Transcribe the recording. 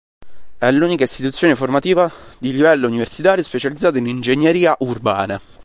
È l'unica istituzione formativa di livello universitario specializzata in ingegneria urbana.